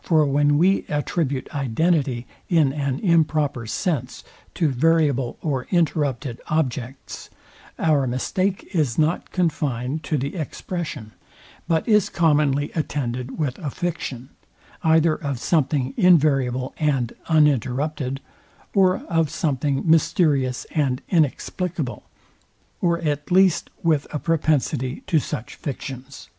For when we attribute identity, in an improper sense, to variable or interrupted objects, our mistake is not confined to the expression, but is commonly attended with a fiction, either of something invariable and uninterrupted, or of something mysterious and inexplicable, or at least with a propensity to such fictions.